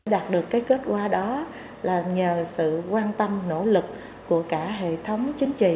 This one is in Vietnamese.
đạt được cái kết quả đó là nhờ sự quan tâm nỗ lực của cả hệ thống chính trị